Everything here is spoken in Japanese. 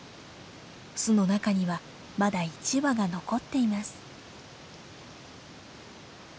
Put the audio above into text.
巣の中にはまだ１羽が残っています。